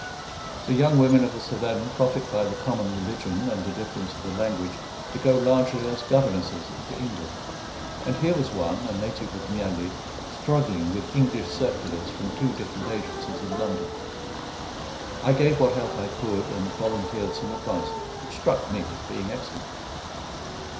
The young women of the Cevennes profit by the common religion and the difference of the language to go largely as governesses into England; and here was one, a native of Mialet, struggling with English circulars from two different agencies in London. I gave what help I could; and volunteered some advice, which struck me as being excellent.